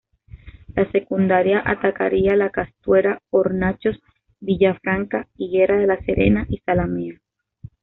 La secundaria atacaría la Castuera, Hornachos, Villa Franca, Higuera de la Serena y Zalamea.